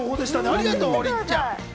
ありがとう、王林ちゃん。